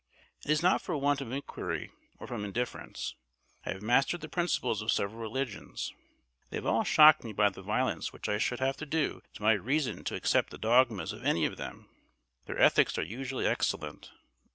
It is not for want of inquiry, or from indifference. I have mastered the principles of several religions. They have all shocked me by the violence which I should have to do to my reason to accept the dogmas of any one of them. Their ethics are usually excellent.